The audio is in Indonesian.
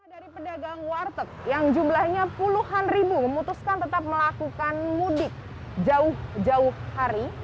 dari pedagang warteg yang jumlahnya puluhan ribu memutuskan tetap melakukan mudik jauh jauh hari